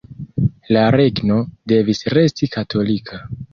La „regno“ devis resti katolika.